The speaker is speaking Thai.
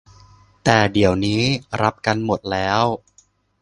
แต่เดี๋ยวนี้รับกันหมดแล้ว